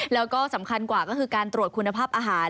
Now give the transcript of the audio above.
แล้วก็สำคัญกว่าก็คือการตรวจคุณภาพอาหาร